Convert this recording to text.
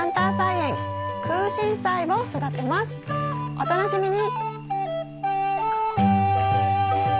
お楽しみに！